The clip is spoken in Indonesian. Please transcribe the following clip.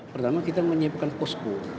pertama kita menyiapkan posko